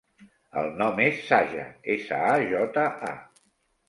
El nom és Saja: essa, a, jota, a.